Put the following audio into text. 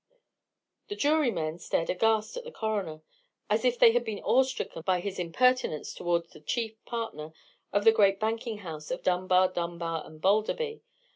The jurymen stared aghast at the coroner, as if they had been awe stricken by his impertinence towards the chief partner of the great banking house of Dunbar, Dunbar, and Balderby.